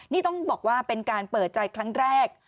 นี่ต้องบอกว่าเป็นการเปิดใจครั้งแรก